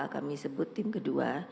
kami sebut tim kedua